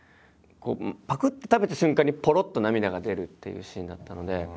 ぱくって食べた瞬間にぽろっと涙が出るっていうシーンだったので。